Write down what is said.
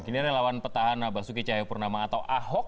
kini ada lawan petahan basuki cahaya purnama atau ahok